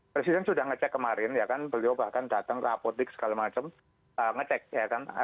presiden sudah ngecek kemarin ya kan beliau bahkan datang ke apotik segala macam ngecek ya kan